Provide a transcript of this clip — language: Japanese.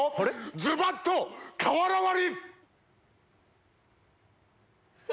ズバっと瓦割り！